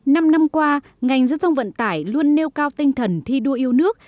năm năm qua ngành giao thông vận tải luôn nêu cao tinh thần thi đua yêu nước